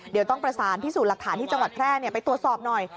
เดี๋ยวต้องประสานพิสูจน์หลักฐานที่จังหวัดแพร่ไปตรวจสอบหน่อย